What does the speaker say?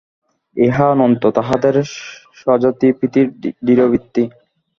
ইহা অন্তত তাহাদের স্বজাতিপ্রীতির দৃঢ়ভিত্তি।